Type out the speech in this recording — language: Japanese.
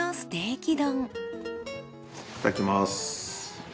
いただきます。